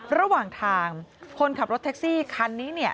ระหว่างทางคนขับรถแท็กซี่คันนี้เนี่ย